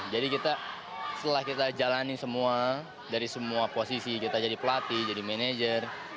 jadi setelah kita jalani semua dari semua posisi kita jadi pelatih jadi manajer